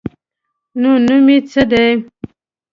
_نو نوم يې څه دی؟